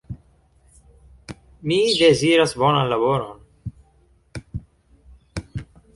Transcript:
Mi deziras bonan laboron